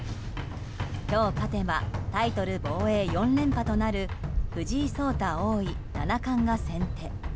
今日、勝てばタイトル防衛４連覇となる藤井聡太王位・七冠が先手。